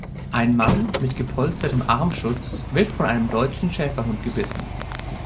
Ein Mann mit gepolstertem Armschutz wird von einem deutschen Schäferhund gebissen.